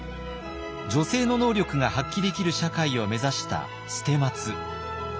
女性の能力が発揮できる社会を目指した捨松。